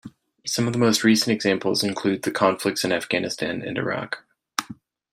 Some of the most recent examples include the conflicts in Afghanistan and Iraq.